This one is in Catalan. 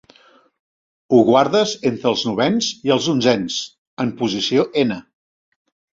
Ho guardes entre els novens i els onzens, en posició n.